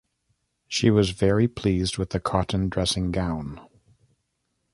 She was very pleased with the cotton dressing gown.